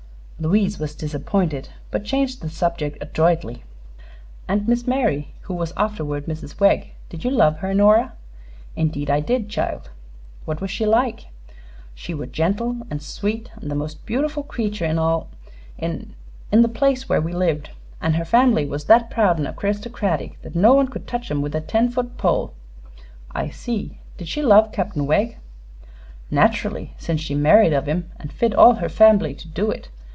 Louise was disappointed, but changed the subject adroitly. "And Miss Mary, who was afterward Mrs. Wegg. Did you love her, Nora?" "Indeed I did, child." "What was she like?" "She were gentle, an' sweet, an' the mos' beautiful creetur in all in in the place where we lived. An' her fambily was that proud an' aristocratic thet no one could tech 'em with a ten foot pole." "I see. Did she love Captain Wegg?" "Nat'rally, sense she married of him, an' fit all her fambily to do it.